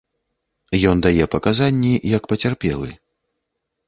Ён дае паказанні як пацярпелы.